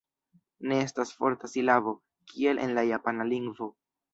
Ne estas forta silabo, kiel en la japana lingvo.